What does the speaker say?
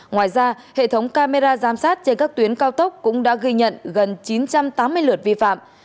ngoài ra hệ thống camera giám sát trên các tuyến cao tốc cũng đã ghi nhận gần chín trăm tám mươi lượt vi phạm